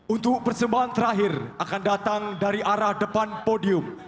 untuk persembahan terakhir akan datang dari arah depan podium